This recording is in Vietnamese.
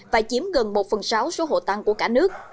và chiếm gần một phần sáu số hộ tăng của cả nước